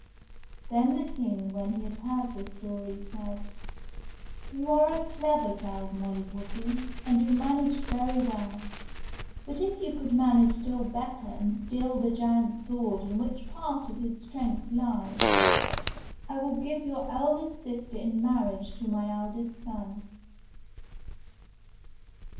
Then the King when he had heard the story said, *'You are a clever girl, Molly Whuppie, and you managed very well ; but if you could manage still better and steal the giant's sword in which part of his strength lies, I will give your eldest sister in marriage to my eldest son."